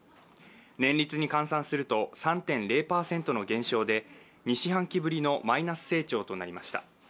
年率に換算すると３．０％の減少で２四半期ぶりのマイナス成長となりました。